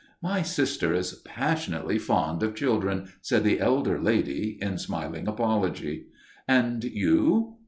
"My sister is passionately fond of children," said the elder lady, in smiling apology. "And you?"